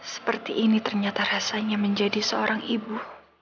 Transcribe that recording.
seperti ini ternyata rasanya menjadi seorang ibu